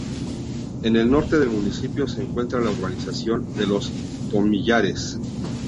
En el norte del municipio se encuentra la urbanización de "Los Tomillares".